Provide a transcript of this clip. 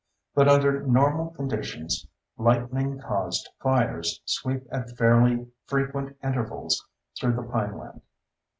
But under normal conditions, lightning caused fires sweep at fairly frequent intervals through the pineland.